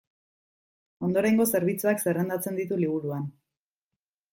Ondorengo zerbitzuak zerrendatzen ditu liburuan.